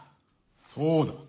そうだ。